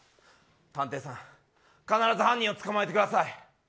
探偵さん、必ず犯人を捕まえてください。